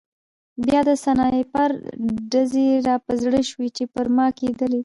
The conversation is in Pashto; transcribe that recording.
بیا د سنایپر ډزې را په زړه شوې چې پر ما کېدلې